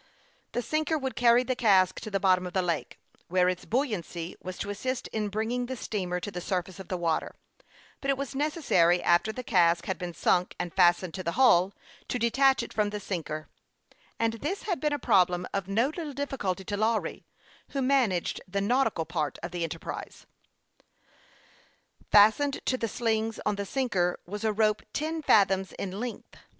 The sinker would carry the cask to the bottom of the lake, where its buoyancy was to assist in bringing the steamer to the surface of the water ; but it was necessary, after the cask had been sunk and fastened to the hull, to detach it from the sinker ; and this had been a problem of no little difficulty to Lawry, who managed the nautical part of the enterprise. THE YOUNG PILOT OF LAKE CHAMPLAIN. Ill Fastened to the slings on the sinker was a rope ten fathoms in length.